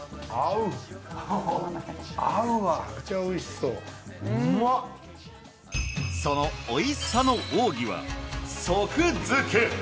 そのおいしさの奥義は即漬け。